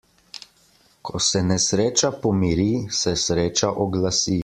Ko se nesreča pomiri, se sreča oglasi.